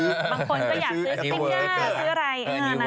บางคนก็อยากซื้อซิมเง้อซื้ออะไร